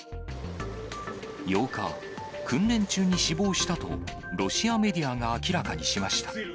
８日、訓練中に死亡したと、ロシアメディアが明らかにしました。